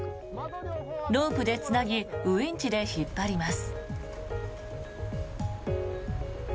ロープでつなぎウィンチで引っ張ります。